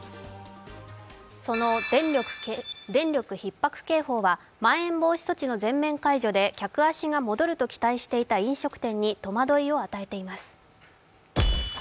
その電力ひっ迫警報はまん延防止措置の全面解除で客足が戻ると期待していた飲食店に戸惑いを与えています。